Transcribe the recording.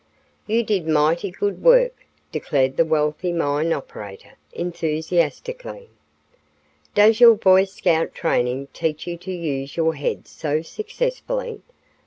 "You did mighty good work" declared the wealthy mine operator, enthusiastically. "Does your Boy Scout training teach you to use your heads so successfully?